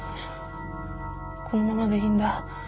このままでいいんだ。